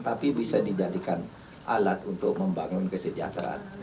tapi bisa dijadikan alat untuk membangun kesejahteraan